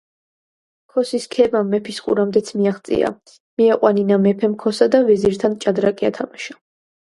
ქოსის ქებამ მეფის ყურამდეც მიაღწია. მიაყვანინა მეფემ ქოსა და ვეზირთან ჭადრაკი ათამაშა.